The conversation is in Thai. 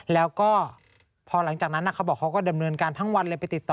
แล้วก็พอหลังจากนั้นเขาบอกเขาก็ดำเนินการทั้งวันเลยไปติดต่อ